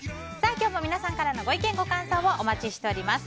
今日も皆様からのご意見ご感想をお待ちしております。